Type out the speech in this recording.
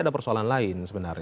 ada persoalan lain sebenarnya